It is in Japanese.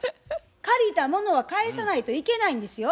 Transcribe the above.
借りたものは返さないといけないんですよ。